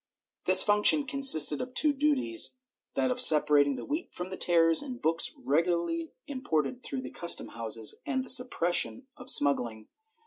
This fimc tion consisted of two duties — that of separating the wheat from the tares in books regularly imported through the custom houses, and in the suppression of smuggling.